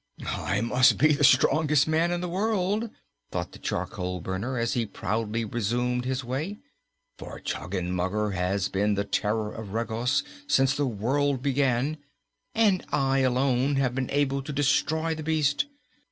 "I must be the strongest man in all the world!" thought the charcoal burner, as he proudly resumed his way, "for Choggenmugger has been the terror of Regos since the world began, and I alone have been able to destroy the beast.